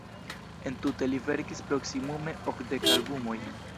Entute li verkis proksimume okdek albumojn.